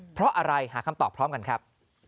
เพราะอะไรหาคำตอบพร้อมกันครับ